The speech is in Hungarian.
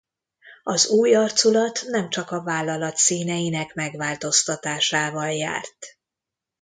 Az új arculat nem csak a vállalat színeinek megváltoztatásával járt.